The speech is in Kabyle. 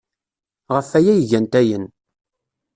Ɣef waya ay gant ayen.